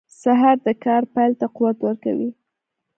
سهار د کار پیل ته قوت ورکوي.